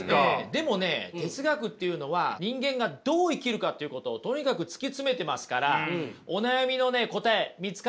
でもね哲学っていうのは人間がどう生きるかっていうことをとにかく突き詰めてますからお悩みのね答え見つかると思いますよ。